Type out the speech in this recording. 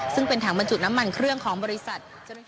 ซึ่งเป็นถังบรรจุน้ำมันเครื่องของบริษัท